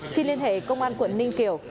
xin liên hệ công an quận ninh kiều